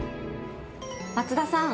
松田さん